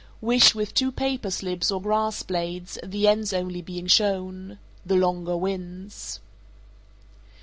443. Wish with two paper slips or grass blades, the ends only being shown. The longer wins.